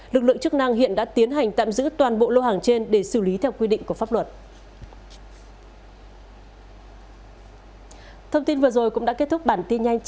lực lượng chức năng hiện đã tiến hành tạm giữ toàn bộ lô hàng trên để xử lý theo quy định của pháp luật